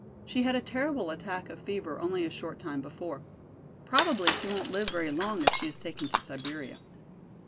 She had a terrible attack of fever only a short time before. Probably she won't live very long, if she is taken to Siberia."